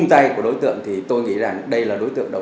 tay của đối tượng thì tôi nghĩ rằng đây là đối tượng đầu